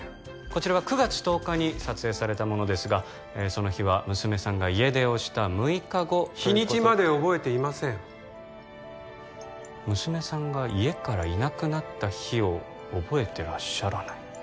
こちらは９月１０日に撮影されたものですがその日は娘さんが家出をした６日後ということで日にちまで覚えていません娘さんが家からいなくなった日を覚えてらっしゃらない